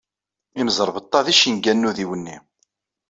Imẓerbeḍḍa d icenga n udiwenni.